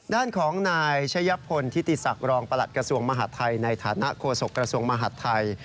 ด้านของนายชะยะพลทิติศักดิ์รองประหลัดกระทรวงมหาดไทยในฐานะโฆษกระทรวงมหาดไทย